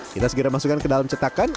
kita segera masukkan ke dalam cetakan